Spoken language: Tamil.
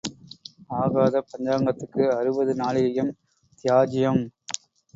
ஆகாத பஞ்சாங்கத்துக்கு அறுபது நாழிகையும் தியாஜ்யம்.